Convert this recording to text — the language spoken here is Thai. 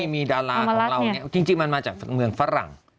มีดาราของเราจริงมันมาจากเมืองฝรั่ง